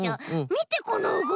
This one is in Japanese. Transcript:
みてこのうごき！